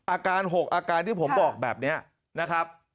อาการ๖อาการที่ผมบอกแบบนี้นะครับ